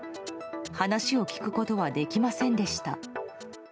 話を聞くことはできませんでした。